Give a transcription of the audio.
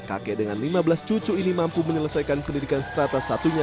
kakek dengan lima belas cucu ini mampu menyelesaikan pendidikan strata satunya